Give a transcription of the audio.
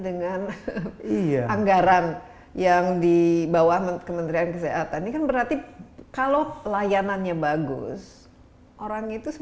dengan anggaran yang di bawah kementerian kesehatan ini kan berarti kalau layanannya bagus orang itu